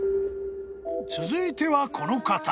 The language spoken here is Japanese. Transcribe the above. ［続いてはこの方］